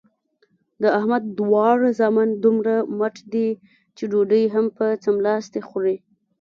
د احمد دواړه زامن دومره مټ دي چې ډوډۍ هم په څملاستې خوري.